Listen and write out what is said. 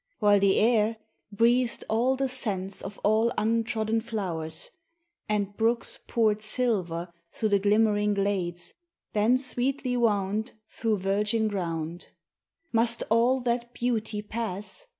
While the air Breathed all the scents of all untrodden flowers, And brooks poured silver through the glimmering glades, Then sweetly wound through virgin ground. Must all that beauty pass?